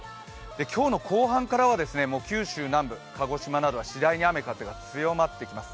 今日の後半からは九州南部、鹿児島などは次第に雨・風が強まってきます。